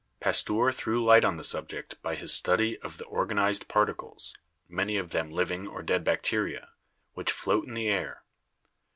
Pas teur threw light on the subject by his study of the organ ized particles — many of them living or dead bacteria — which float in the air.